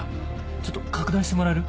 ちょっと拡大してもらえる？